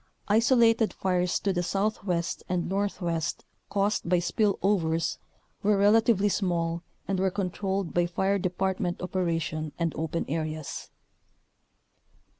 Isolated fires to the southwest and northwest caused by spill overs were relatively small and were controlled by fire department operation and open areas.